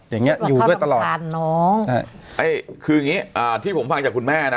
อย่างเงี้อยู่ด้วยตลอดการน้องไอ้คืออย่างงี้อ่าที่ผมฟังจากคุณแม่นะ